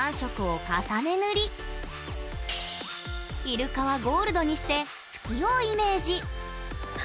イルカはゴールドにして月をイメージ。